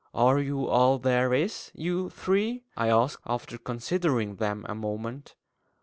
"Are you all there is, you three?" I asked, after considering them a moment.